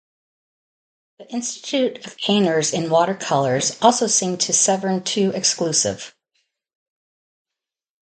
The Institute of Painters in Water Colours also seemed to Severn too exclusive.